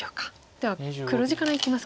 では黒地からいきますか。